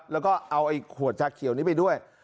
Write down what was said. แล้วก็เอาไอ้ขวดชาเขียวนี้ไปด้วย